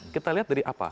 kita lihat dari apa